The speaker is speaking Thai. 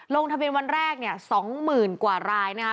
ลงทะเบียนวันแรกเนี่ย๒๐๐๐กว่ารายนะคะ